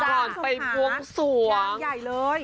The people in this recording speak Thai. ก่อนไปบวงสวงใหญ่เลย